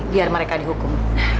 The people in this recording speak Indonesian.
biar mereka dihukum